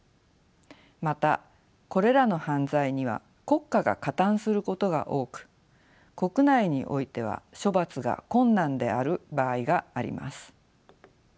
またこれらの犯罪には国家が加担することが多く国内においては処罰が困難である場合があります。